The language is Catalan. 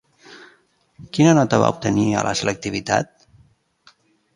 Quina nota va obtenir a la selectivitat?